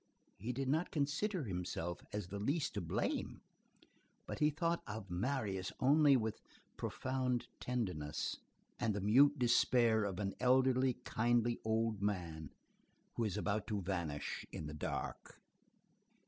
He did not consider himself as the least to blame; but he thought of Marius only with profound tenderness, and the mute despair of an elderly, kindly old man who is about to vanish in the dark.